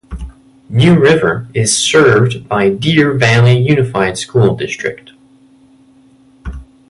New River is served by Deer Valley Unified School District.